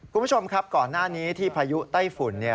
คุณผู้ชมครับก่อนหน้านี้ที่พายุไต้ฝุ่น